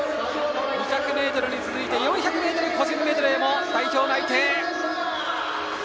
２００ｍに続いて４００ｍ個人メドレーも代表内定。